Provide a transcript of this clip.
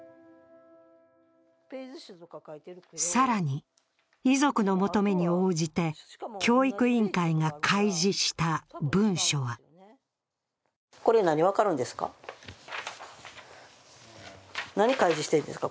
更に遺族の求めに応じて教育委員会が開示した文書はこれ、何、分かるんですか？